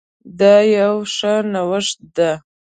دا يو ښه نوښت ده